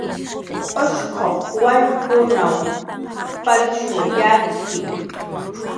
Ushquq wallpkunw palsh yatxki